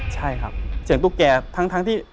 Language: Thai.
ใช่ครับเสียงตุ๊กแก่ทั้งที่